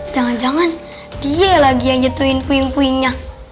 jangan jangan dia lagi yang jatuhin puyeng puyengnya